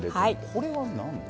これは何だ？